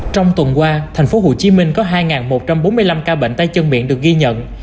trong tuần qua tp hcm có hai một trăm bốn mươi năm ca bệnh tay chân miệng được ghi nhận